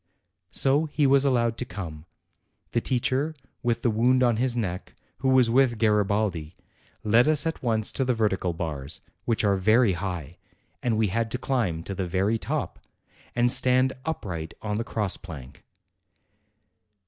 So he was allowed to come. The teacher with the wound on his neck, who was with Garibaldi, led us at once to the vertical bars, which are very high, and we had to climb to the very top, and stand upright on the cross plank.